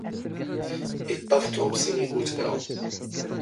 ⵉⵟⵟⴰⴼ ⵜⵓⵎ ⵙⵉⵏ ⵉⴷ ⴱⵓⵜⴳⵔⴰ.